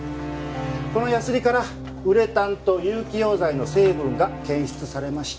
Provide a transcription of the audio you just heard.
このヤスリからウレタンと有機溶剤の成分が検出されました。